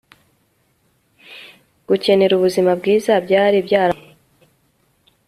gukenera ubuzima bwiza byari byarampumye